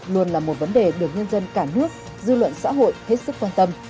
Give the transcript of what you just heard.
luôn là một vấn đề được nhân dân cả nước dư luận xã hội hết sức quan tâm